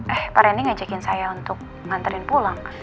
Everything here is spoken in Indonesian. eh pak reni ngajakin saya untuk nganterin pulang